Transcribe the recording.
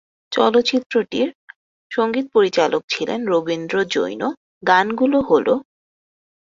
চলচ্চিত্রটির সঙ্গীত পরিচালক ছিলেন রবীন্দ্র জৈন, গানগুলো হলোঃ